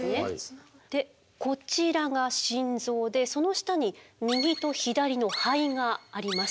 でこちらが心臓でその下に右と左の肺があります。